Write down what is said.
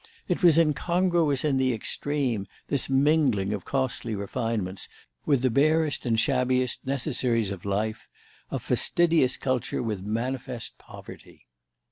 It was incongruous in the extreme, this mingling of costly refinements with the barest and shabbiest necessaries of life, of fastidious culture with manifest poverty.